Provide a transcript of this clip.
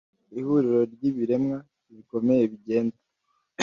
Ihuriro ryibiremwa bikomeye bigenda-